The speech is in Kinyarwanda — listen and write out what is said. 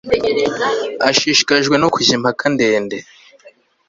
Ashishikajwe no kujya impaka ndende